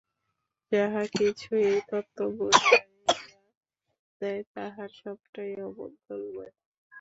যাহা কিছু এই তত্ত্ব বুঝাইয়া দেয় না, তাহার সবটাই অমঙ্গলময়।